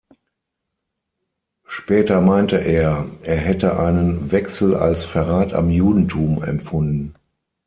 Später meinte er, er hätte einen Wechsel als „Verrat am Judentum“ empfunden.